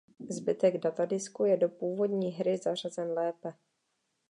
Zbytek datadisku je do původní hry zařazen lépe.